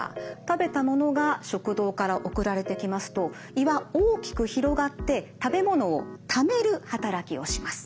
食べたものが食道から送られてきますと胃は大きく広がって食べ物をためる働きをします。